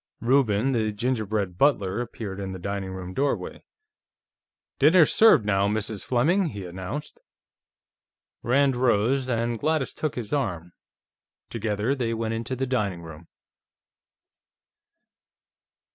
Reuben, the gingerbread butler, appeared in the dining room doorway. "Dinner's served now, Mrs. Fleming," he announced. Rand rose, and Gladys took his arm; together, they went into the dining room.